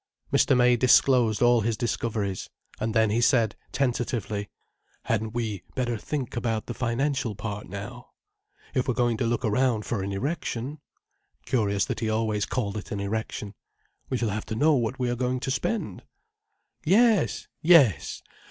Mr. May disclosed all his discoveries. And then he said, tentatively: "Hadn't we better think about the financial part now? If we're going to look round for an erection"—curious that he always called it an erection—"we shall have to know what we are going to spend." "Yes—yes.